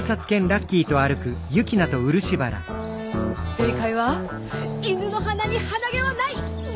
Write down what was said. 正解は犬の鼻に鼻毛はない！でした。